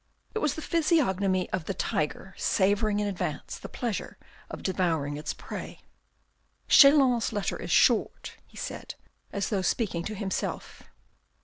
It was the physiognomy of the tiger savouring in advance the pleasure of devouring its prey. " Chelan's letter is short," he said, as though speaking to himself.